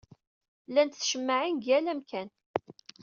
Llant tcemmaɛin deg yal amkan.